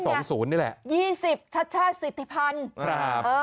๒๐ชัดชาติสิทธิพันธุ์